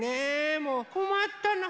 もうこまったな。